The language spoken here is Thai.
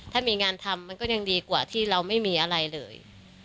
ถ้ามีงานทำมันก็ยังดีกว่าที่เราไม่มีอะไรเลย